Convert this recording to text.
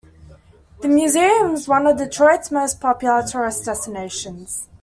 The museum is one of Detroit's most popular tourist destinations.